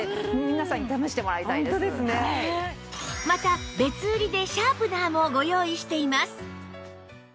また別売りでシャープナーもご用意しています